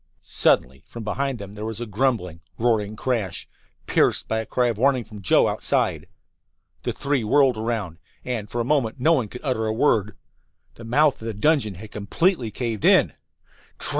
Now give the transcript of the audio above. Suddenly from behind them there was a grumbling, roaring crash, pierced by a cry of warning from Joe, outside. The three whirled around, and for a moment no one could utter a word. The mouth of the dungeon had completely caved in!